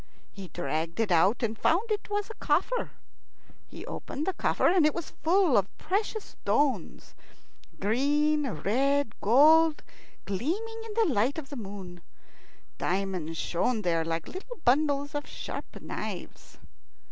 He dragged it out, and found it was a coffer. He opened the coffer, and it was full of precious stones green, red, gold gleaming in the light of the moon. Diamonds shone there like little bundles of sharp knives.